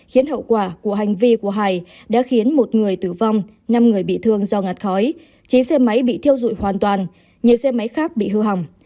khiến hậu quả của hành vi của hải đã khiến một người tử vong năm người bị thương do ngạt khói chín xe máy bị thiêu dụi hoàn toàn nhiều xe máy khác bị hư hỏng